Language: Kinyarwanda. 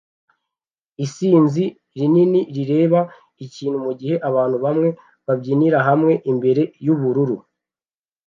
Isinzi rinini rireba ikintu mugihe abantu bamwe babyinira hamwe imbere yubururu